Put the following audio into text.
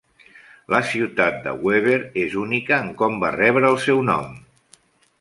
La ciutat de Weber és única en com va rebre el seu nom.